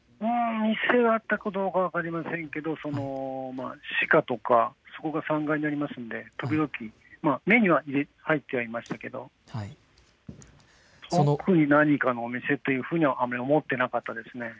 店があったかどうか分かりませんけど、歯科、歯医者とかそこが３階になりますので目には入っていましたけれど特に何かのお店というふうには思っていなかったです。